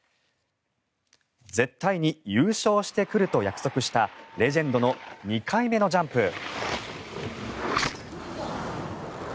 絶対に優勝してくると約束したレジェンドの２回目のジャンプ。